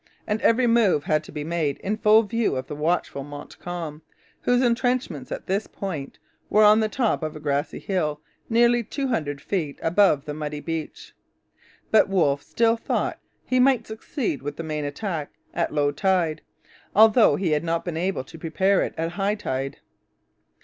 And every move had to be made in full view of the watchful Montcalm, whose entrenchments at this point were on the top of a grassy hill nearly two hundred feet above the muddy beach. But Wolfe still thought he might succeed with the main attack at low tide, although he had not been able to prepare it at high tide.